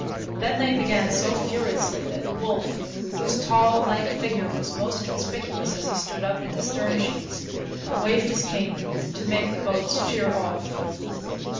Then they began so furiously that Wolfe, whose tall, lank figure was most conspicuous as he stood up in the stern sheets, waved his cane to make the boats sheer off.